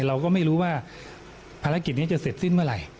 เราก็ไม่รู้ว่าภารกิจนี้จะเสร็จสิ้นเมื่อไหร่